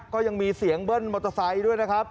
ก็ยังมีเสียงเบิ้ลมอเตอร์ไซค์ด้วยนะครับ